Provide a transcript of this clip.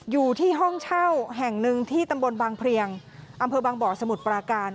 อยู่ที่ห้องเช่าแห่งหนึ่งที่ตำบลบางเพลียงอำเภอบางบ่อสมุทรปราการ